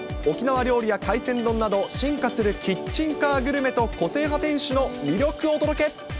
沖縄料理や海鮮丼など、進化するキッチンカーグルメと、個性派店主の魅力をお届け。